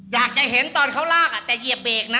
อยากจะเห็นตอนเขาลากแต่เหยียบเบรกนะ